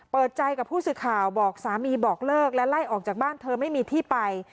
เปิดใจกับผู้สื่อข่าวบอกสามีบอกเลิกและไล่ออกจากบ้านเธอไม่มีที่ไป